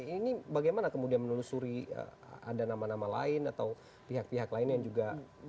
ini bagaimana kemudian menelusuri ada nama nama lain atau pihak pihak lain yang juga